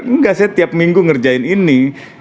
enggak saya tiap minggu ngerjain ini